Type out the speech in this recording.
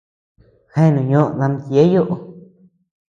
Jeanu ñoʼö daami Tieyo.